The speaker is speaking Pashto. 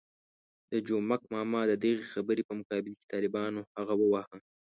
د جومک ماما د دغې خبرې په مقابل کې طالبانو هغه وواهه.